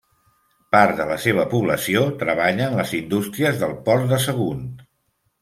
Part de la seva població treballa en les indústries del Port de Sagunt.